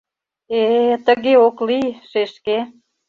Э, тыге ок лий, шешке.